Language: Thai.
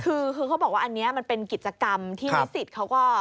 คือเขาบอกว่าอันนี้มันเป็นกิจกรรมที่นิสิตเขาก็